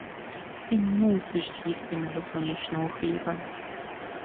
Ти мусиш з'їсти мого сонячного хліба.